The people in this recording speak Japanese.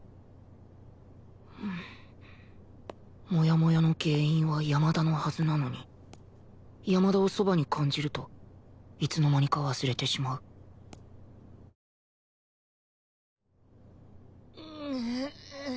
モヤモヤの原因は山田のはずなのに山田をそばに感じるといつの間にか忘れてしまううう。